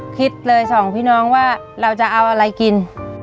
คิดเลยสองพี่น้องว่าเราจะเอาอะไรกิน